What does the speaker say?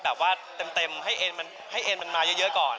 แบบว่าเต็มให้เอ็นมันมาเยอะก่อน